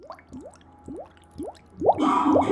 ستا آواز به زه تر عرشه رسومه؛